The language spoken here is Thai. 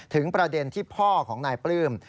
ประเด็นที่พ่อของนายปลื้ม